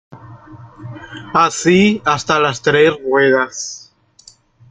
Así hasta las tres ruedas.